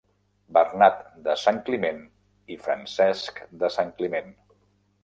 Bernat de Santcliment i Francesc de Santcliment.